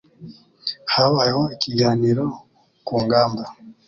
Habayeho ikiganiro ku ngamba.